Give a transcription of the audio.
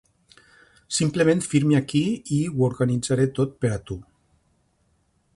Simplement firmi aquí i ho organitzaré tot per a tu.